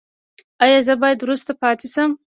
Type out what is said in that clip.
ایا زه باید وروسته پاتې شم؟